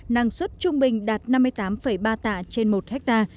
năng suất trung bình đạt năm mươi tám ba tạ trên một ha